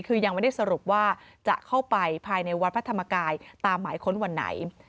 คือยังไม่ได้สรุปว่าจะเข้าไปภายในวัดพระธรรมกายตามหมายค้นวันไหน